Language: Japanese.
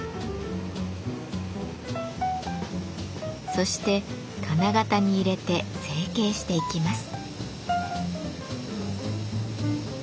そして金型に入れて成形していきます。